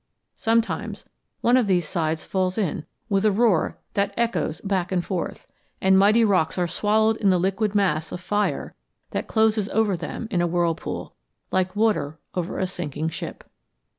Sometimes one of these sides falls in with a roar that echoes back and forth, and mighty rocks are swallowed in the liquid mass of fire that closes over them in a whirlpool, like water over a sinking ship.